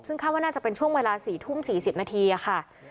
ซึ่งคาดว่าน่าจะเป็นช่วงเวลา๔ทุ่ม๔๐นาทีค่ะ